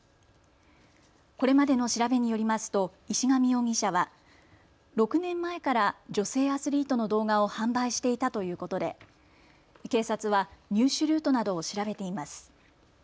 これまでの調べによりますと石上容疑者は６年前から女性アスリートの動画を販売していたということで警察は入手ルートなどを調べています。